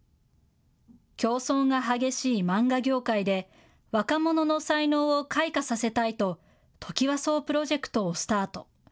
競争が激しい漫画業界で若者の才能を開花させたいとトキワ荘プロジェクトをスタート。